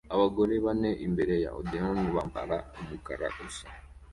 Abagore bane imbere ya Odeon bambara umukara usa